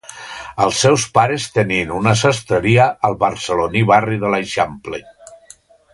Els seus pares tenien una sastreria al barceloní barri de l'Eixample.